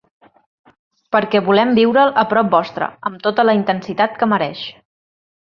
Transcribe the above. Perquè volem viure’l a prop vostre, amb tota la intensitat que mereix.